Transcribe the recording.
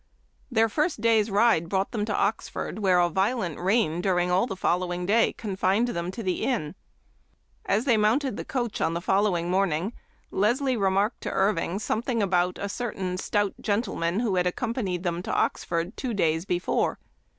Their first day's ride brought them to Oxford, where a violent rain during all the following day confined them to the inn. As they mounted Memoir of Washington Irving. 109 the coach on the following morning Leslie re marked to Irving something about a certain stout gentleman who had accompanied them to Oxford two days before.